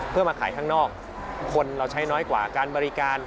เพื่อมาขายข้างนอกคนเราใช้น้อยกว่าการบริการ